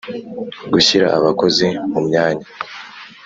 gushyira abakozi mu myanya